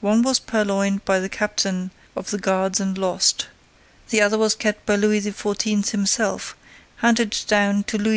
One was purloined by the captain of the guards and lost. The other was kept by Louis XIV., handed down to Louis XV.